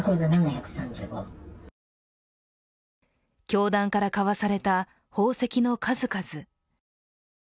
教団から買わされた宝石の数々。